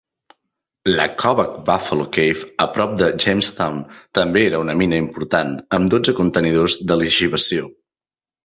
La cova Buffalo Cave, a prop de Jamestown, també era una mina important, amb dotze contenidors de lixiviació.